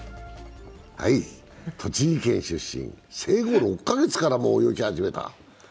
栃木県出身、生後６カ月からもう泳ぎ始めた。